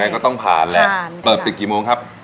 อำเภอผ่านแล้วเปิดปิดกี่โมงครับ